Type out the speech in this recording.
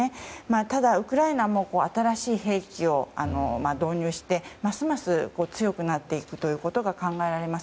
ただ、ウクライナも新しい兵器を導入してますます強くなっていくことが考えられます。